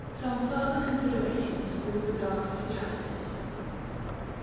SOME FARTHER CONSIDERATIONS WITH REGARD TO JUSTICE.